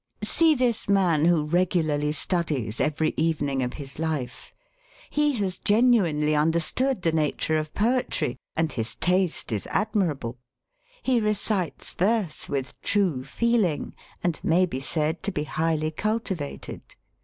See this man who regularly studies every evening of his life! He has genuinely understood the nature of poetry, and his taste is admirable. He recites verse with true feeling, and may be said to be highly cultivated.